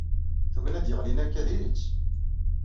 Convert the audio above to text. Tugna d-yeɣlin akka d-iri-tt.